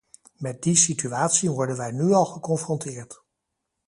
Met die situatie worden wij nu al geconfronteerd.